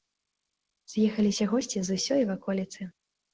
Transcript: З'ехаліся госці з усёй ваколіцы.